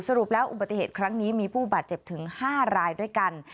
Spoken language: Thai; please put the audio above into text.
สรุปแล้วอุบัติเหตุครั้งนี้มีผู้บาดเจ็บถึง๕รายด้วยกัน